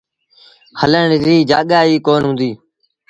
هلڻ ريٚ جآڳآ ئيٚ ڪونا هُݩديٚ۔